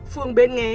phường bến nghé